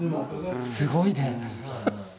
すごいね。